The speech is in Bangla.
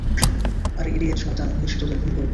আরে ইডিয়েট, শয়তান, আমি এসে তোদের খুন করব!